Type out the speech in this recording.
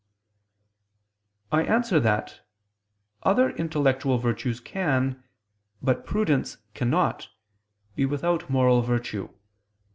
I answer that, Other intellectual virtues can, but prudence cannot, be without moral virtue.